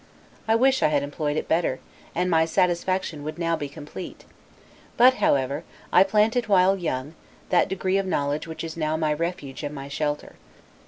I wish I had employed it better, and my satisfaction would now be complete; but, however, I planted while young, that degree of knowledge which is now my refuge and my shelter.